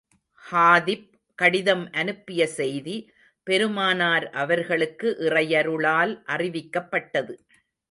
ஹாதிப் கடிதம் அனுப்பிய செய்தி, பெருமானார் அவர்களுக்கு இறையருளால் அறிவிக்கப்பட்டது.